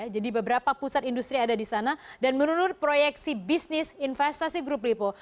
jadi beberapa pusat industri ada di sana dan menurut proyeksi bisnis investasi grup lipo